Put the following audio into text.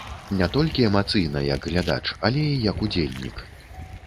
Не толькі эмацыйна, як глядач, але і як удзельнік.